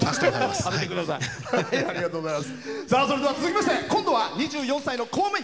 続きまして今度は２４歳の公務員。